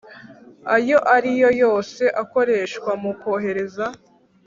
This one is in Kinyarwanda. Ayo ari yo yose akoreshwa mu kohereza